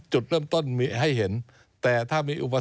หรือ๓ปี